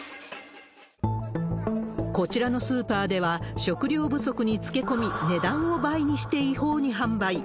こちらのスーパーでは、食料不足につけ込み、値段を倍にして違法に販売。